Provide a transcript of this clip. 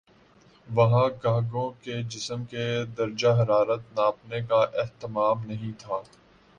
وہاں گاہکوں کے جسم کے درجہ حرارت ناپنے کا اہتمام نہیں تھا